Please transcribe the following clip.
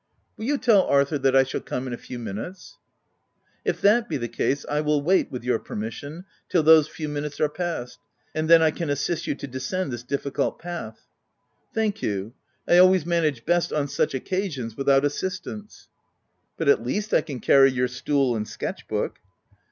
Will you tell Arthur that I shall come in a few minutes V 9 " If that be the case, I will wait, with your permission, till those few minutes are past ; and then I can assist you to descend this difficult path." u Thank you — I always manage best, on such occasions, without assistance. " M But, at least, I can carry your stool and sketchbook."